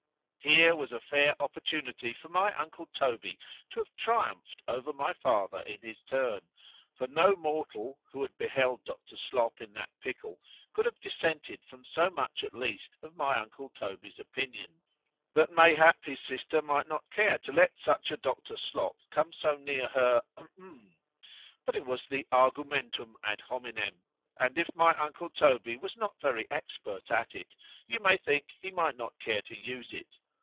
Here was a fair opportunity for my uncle Toby to have triumphed over my father in his turn;—for no mortal, who had beheld Dr. Slop in that pickle, could have dissented from so much, at least, of my uncle Toby's opinion, "That mayhap his sister might not care to let such a Dr. Slop come so near her " But it was the Argumentum ad hominem; and if my uncle Toby was not very expert at it, you may think, he might not care to use it.